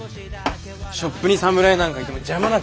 ショップに侍なんかいても邪魔なだけだし。